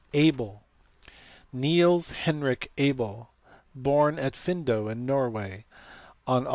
Abel*. Niels Henrick Abel was born at Findoe in Norway on Aug.